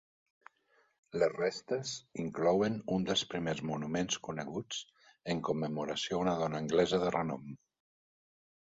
Les restes inclouen un dels primers monuments coneguts en commemoració a una dona anglesa de renom.